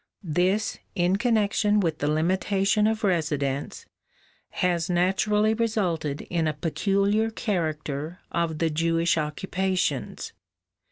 This, in connection with the limitation of residence, has naturally resulted in a peculiar character of the Jewish occupations.